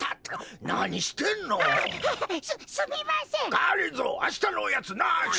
がりぞーあしたのおやつなし！